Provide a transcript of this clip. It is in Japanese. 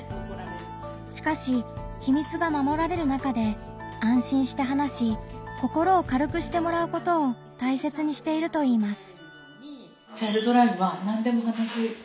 しかし秘密がまもられる中で安心して話し心を軽くしてもらうことを大切にしているといいます。